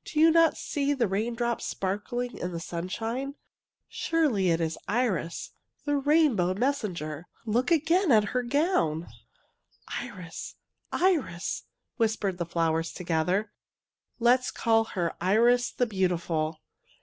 '^ Do you not see the rain drops sparkling in the sunshine? Surely it is Iris, the rainbow messenger. Look again at her gown! " THE RAINBOW MESSENGER 149 '^ Iris! Iris! " whispered the flowers to gether. '^ Let us call her Iris the Beauti ful!